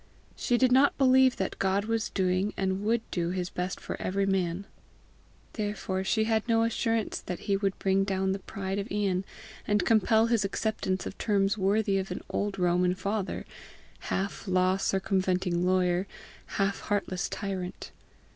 She did not believe that God was doing and would do his best for every man; therefore she had no assurance that he would bring down the pride of Ian, and compel his acceptance of terms worthy of an old Roman father, half law circumventing lawyer, half heartless tyrant.